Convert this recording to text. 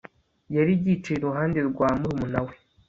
Yari yicaye iruhande rwa murumuna we